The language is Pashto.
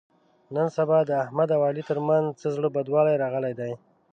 نن سبا د احمد او علي تر منځ څه زړه بدوالی راغلی دی.